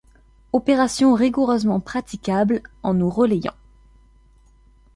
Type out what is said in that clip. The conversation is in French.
Opération rigoureusement praticable, en nous relayant.